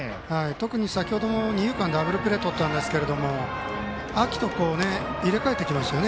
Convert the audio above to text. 特に先程の二遊間ダブルプレーをとったんですが秋と入れ替えてきましたよね